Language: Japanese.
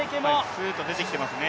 すっと出てきていますね。